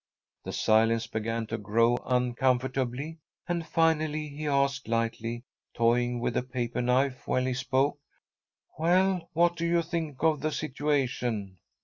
The silence began to grow uncomfortable, and finally he asked, lightly, toying with a paper knife while he spoke, "Well, what do you think of the situation?"